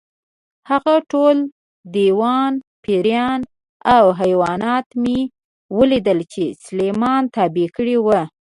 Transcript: هغه ټول دیوان، پېریان او حیوانات مې ولیدل چې سلیمان تابع کړي وو.